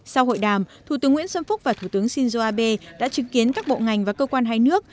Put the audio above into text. sau hội đàm thủ tướng nguyễn xuân phúc và thủ tướng shinzo abe đã chứng kiến các bộ ngành và cơ quan hai nước